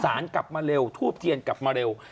กลับมาเร็วทูบเทียนกลับมาเร็ว